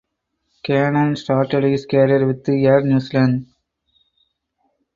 Keenan started his career with Air New Zealand.